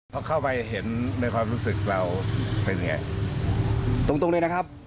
พอเข้าไปเห็นในความรู้สึกเราเป็นไงตรงตรงเลยนะครับ